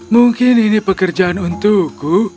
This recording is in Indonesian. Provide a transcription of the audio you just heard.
mungkin ini pekerjaan untukku